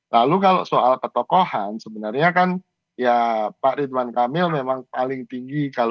lalu kalau soal ketokohan sebenarnya kan pak ridwan kamil memang paling tinggi kalau dari sisi kompetensi